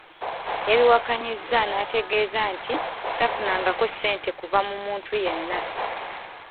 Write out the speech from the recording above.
Yabiwakanyizza n'ategeeza nti tafunangako ssente kuva ku muntu yenna.